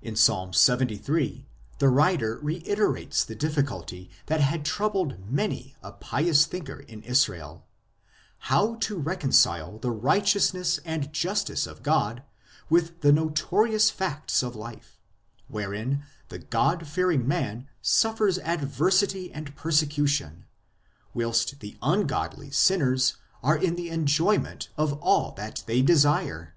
In Ps. Ixxiii. the writer reiterates the difficulty that had troubled many a pious thinker in Israel : how to reconcile the righteousness and justice of God with the notorious facts of life, wherein the God fearing man suffers adversity and persecution, whilst the ungodly sinners are in the enjoy ment of all that they desire